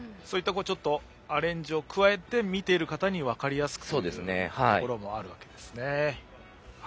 そういったアレンジを加えて見ている方に分かりやすくというところもあるわけですね。